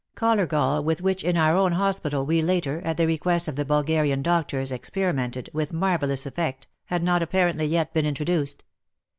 Collargol, with which in our own hospital we later, at the request of the Bulgarian doctors, experimented, with marvel lous effect, had not apparently yet been intro duced.